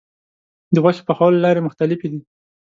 د غوښې پخولو لارې مختلفې دي.